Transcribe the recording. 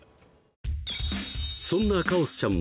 そんなカオスちゃん